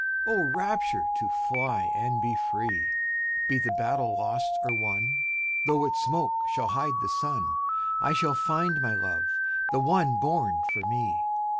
O rapture, to fly And be free! Be the battle lost or won, 5 Though its smoke shall hide the sun, I shall find my love—the one Born for me!